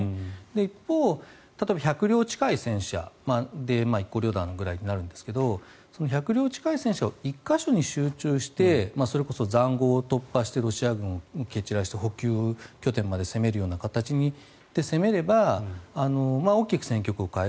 一方で１００両近い戦車１個旅団ぐらいになるんですが１００両近い戦車を１か所に集中してそれこそ塹壕を突破してロシア軍を蹴散らして補給拠点まで攻めるような形にして攻めれば大きく戦局を変える。